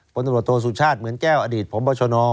บนตรวจโตรสุชาติเหมือนแก้วอดีตพรหมพชน